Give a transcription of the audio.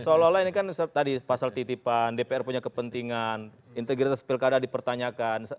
seolah olah ini kan tadi pasal titipan dpr punya kepentingan integritas pilkada dipertanyakan